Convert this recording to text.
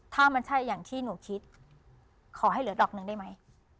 ถ้ามันใช่อย่างที่หนูคิดขอให้เหลือดอกหนึ่งได้ไหม